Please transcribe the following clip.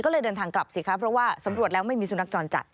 ก็เลยเดินทางกลับสิคะเพราะว่าสำรวจแล้วไม่มีสุนัขจรจัด